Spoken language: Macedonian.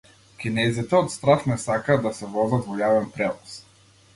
Кинезите од страв не сакаат да се возат во јавен превоз